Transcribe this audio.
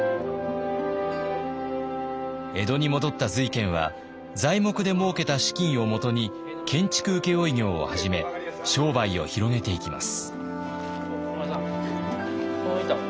江戸に戻った瑞賢は材木でもうけた資金をもとに建築請負業を始め商売を広げていきます。